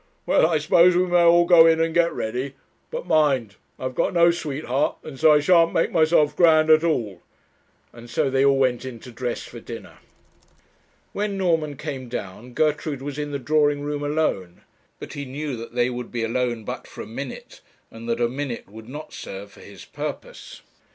Well, I suppose we may all go in and get ready; but mind, I have got no sweetheart, and so I shan't make myself grand at all;' and so they all went in to dress for dinner. When Norman came down, Gertrude was in the drawing room alone. But he knew that they would be alone but for a minute, and that a minute would not serve for his purpose.